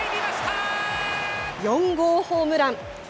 ４号ホームラン。